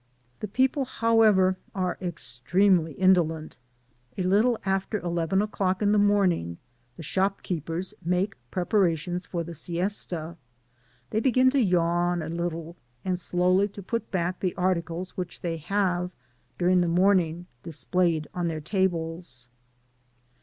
The people, however, are sadly indolent. A little after eleven q*c1oc)c in tl^e morning, the shop? keepers make preparations for the ^ie$ta; they begin to yawn a little, and slowly to put back the articles which they have, during the morning, dis played on their tables.